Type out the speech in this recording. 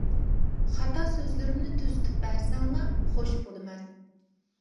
خاتا سۆزلىرىمنى تۈزىتىپ بەرسەڭلار خۇش بولىمەن!